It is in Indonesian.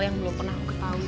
yang belum pernah aku ketahui